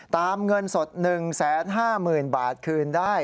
เงินสด๑๕๐๐๐บาทคืนได้